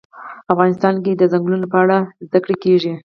افغانستان کې د چنګلونه په اړه زده کړه کېږي.